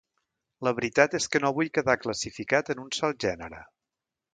La veritat és que no vull quedar classificat en un sol gènere.